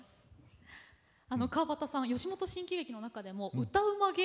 川畑さんは吉本新喜劇の中でも歌うま